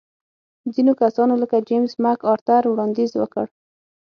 ځینو کسانو لکه جېمز مک ارتر وړاندیز وکړ.